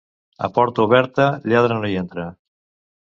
A porta oberta, lladre no hi entra.